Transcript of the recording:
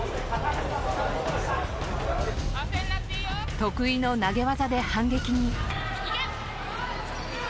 得意の投げ技で反撃に。